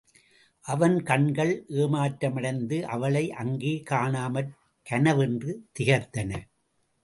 அவன் கண்கள், ஏமாற்றமடைந்து அவளை அங்கே காணாமற் கனவென்றே திகைத்தன.